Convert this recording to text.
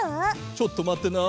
ちょっとまってな。